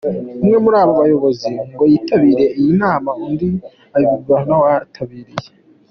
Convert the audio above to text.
Umwe muri abo bayobozi ngo yitabiriye iriya nama undi abibwirwa n’uwayitabiriye.